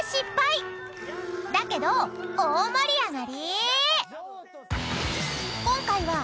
［だけど大盛り上がり！］